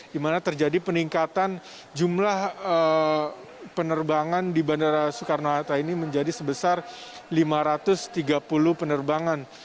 di mana terjadi peningkatan jumlah penerbangan di bandara soekarno hatta ini menjadi sebesar lima ratus tiga puluh penerbangan